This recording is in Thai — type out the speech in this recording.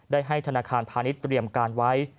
ได้ให้ธนาคารพาณิชย์เตรียมการไว้